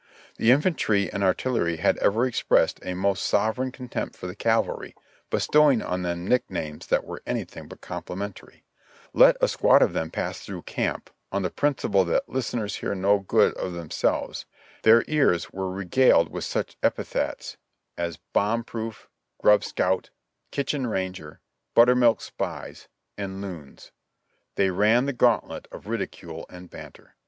The infantry and ar tillery had ever expressed a most sovereign contempt for the cav alry, bestowing on them nicknames that were anything but com plimentary ; let a squad of them pass through camp, on the principle that '"listeners hear no good of themselves," their ears were regaled with such epithets as ''Bomb proof," "Grub scout," "Kitchen ranger," "Buttermilk spies" and "Loons." They ran the gauntlet of ridicule and banter.